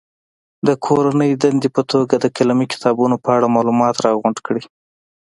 د کورنۍ دندې په توګه د قلمي کتابونو په اړه معلومات راغونډ کړي.